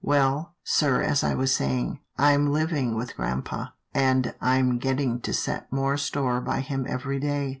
" Well, sir, as I was saying, I'm living with grampa, and I'm getting to set more store by him every day.